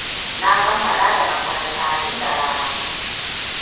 Na kammala da makaranta tun da rana.